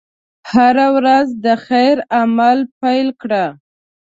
هره ورځ د خیر عمل پيل کړه.